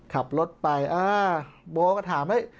ขับรถไปโบ๊กก็ถาม